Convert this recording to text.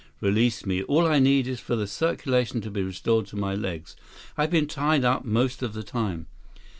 "Release me. All I need is for the circulation to be restored to my legs. I've been tied up most of the time."